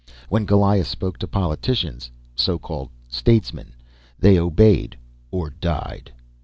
When Goliah spoke to politicians (so called "statesmen"), they obeyed ... or died.